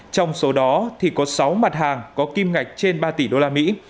trong số đó thì có sáu mặt hàng có kim ngạch trên ba tỷ đô la mỹ